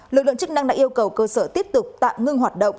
lực lượng chức năng đã yêu cầu cơ sở tiếp tục tạm ngưng hoạt động